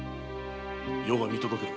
余が見届ける。